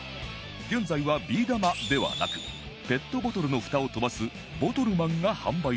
現在はビー玉ではなくペットボトルのふたを飛ばすボトルマンが販売されている